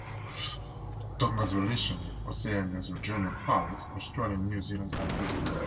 Tonga's relations with Oceania's regional powers, Australia and New Zealand, are good.